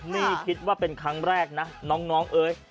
นี่คิดว่าเป็นครั้งแรกนะน้องเอ้ย